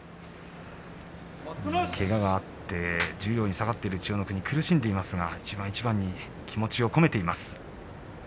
けががあって十両に下がっている千代の国、苦しんでいますが一番一番に気持ちを込めています。